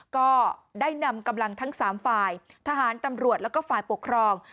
ก็ได้นำกำลังทั้ง๓ฝ่ายทหารตำรวจแล้วก็ฝ่ายปกครอง